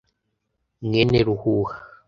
mwene ruhuha